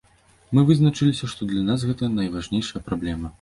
Мы вызначыліся, што для нас гэта найважнейшая праблема.